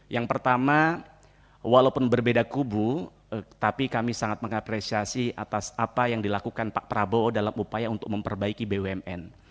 yang pertama walaupun berbeda kubu tapi kami sangat mengapresiasi atas apa yang dilakukan pak prabowo dalam upaya untuk memperbaiki bumn